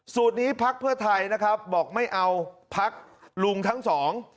นี้พักเพื่อไทยนะครับบอกไม่เอาพักลุงทั้งสอง